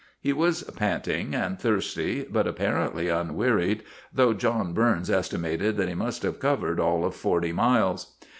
He was panting and thirsty, but apparently unwearied, though John Burns estimated that he must have covered all of forty miles.